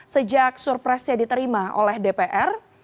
sejak surprise nya diterima oleh dpr